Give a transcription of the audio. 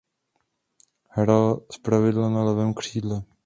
Hrál zpravidla na levém křídle.